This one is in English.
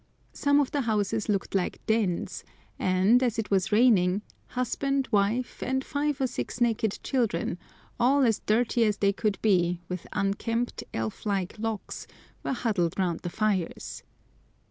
Some of the houses looked like dens, and, as it was raining, husband, wife, and five or six naked children, all as dirty as they could be, with unkempt, elf like locks, were huddled round the fires.